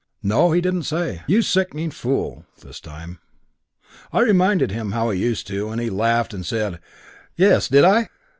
No, he didn't say, 'You sickening fool' this time. I reminded him how he used to, and he laughed and said, 'Yes; did I?